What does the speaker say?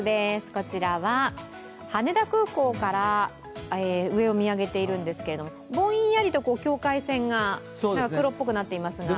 こちらは羽田空港から上を見上げてるんですけど、ぼんやりと境界線が黒っぽくなっていますが。